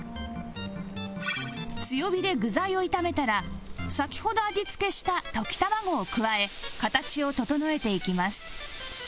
強火で具材を炒めたら先ほど味付けした溶き卵を加え形を整えていきます